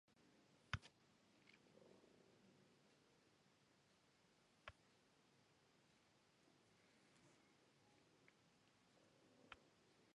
But it had also done more than this.